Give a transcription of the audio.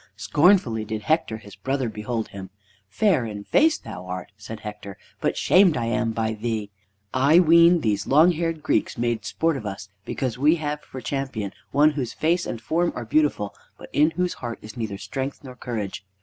Scornfully did Hector his brother behold him. "Fair in face thou art!" said Hector, "but shamed I am by thee! I ween these long haired Greeks make sport of us because we have for champion one whose face and form are beautiful, but in whose heart is neither strength nor courage.